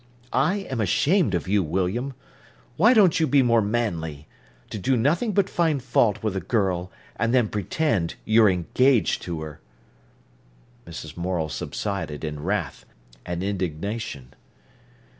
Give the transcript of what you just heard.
I am ashamed of you, William! Why don't you be more manly. To do nothing but find fault with a girl, and then pretend you're engaged to her!" Mrs. Morel subsided in wrath and indignation.